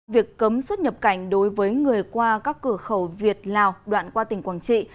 việc cấm xuất nhập cảnh đối với người qua các cửa khẩu việt lào đoạn qua tỉnh quảng trị